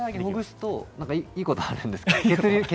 ほぐすといいことあるんですか？